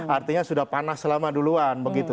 artinya sudah panas selama duluan begitu